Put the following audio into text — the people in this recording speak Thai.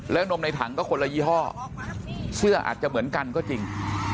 แล้วนมในถังก็คนละยี่ห้อเสื้ออาจจะเหมือนกันก็จริง